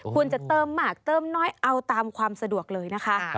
ควรจะเติมมากเติมน้อยเอาตามความสะดวกเลยนะคะ